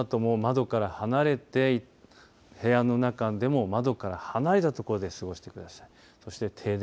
このあとも窓から離れて部屋の中でも窓から離れたところで過ごしてください。